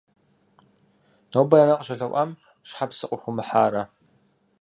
Нобэ нанэ къыщолъэӀуам щхьэ псы къыхуумыхьарэ?